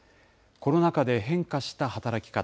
コロナ禍で変化した働き方。